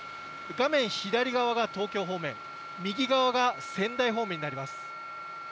画面左側が東京方面、右側が仙台方面になります。